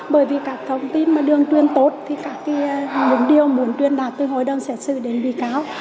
bởi vì các thông tin mà đường truyền tốt thì các những điều muốn truyền đạt từ hội đồng xét xử đến bị cáo